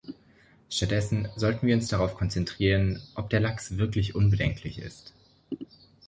Stattdessen sollten wir uns darauf konzentrieren, ob der Lachs wirklich unbedenklich ist.